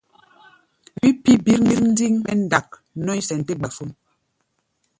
Wí pí̧ birndiŋ mɛ́ ndak nɔ̧́í̧ sɛn tɛ́ gbafón.